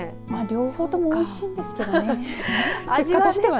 両方ともおいしいんですけどね。